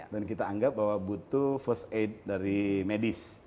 dan kita anggap bahwa butuh first aid dari medis